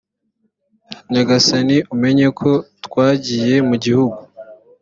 nyagasani umenye ko twagiye mu gihugu